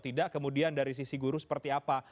tidak kemudian dari sisi guru seperti apa